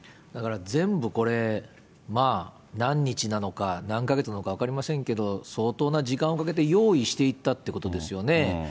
だから全部これ、何日なのか、何か月なのか分かりませんけれども、相当な時間をかけて用意していったということですよね。